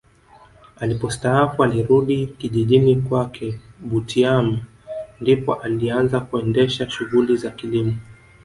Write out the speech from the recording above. Alipostaafu alirudi kijijini kwake Butiama ndipo alianza kuendesha shughuli za kilimo